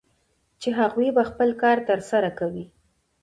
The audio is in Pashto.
چې هغوی به خپل کار ترسره کوي